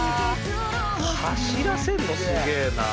走らせんのすげえなあ。